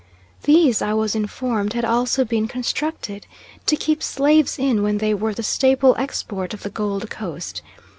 These, I was informed, had also been constructed to keep slaves in when they were the staple export of the Gold Coast.